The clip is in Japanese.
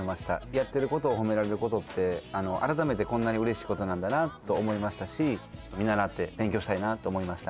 やってることを褒められることって改めてこんなに嬉しいことなんだなと思いましたし見習って勉強したいなと思いました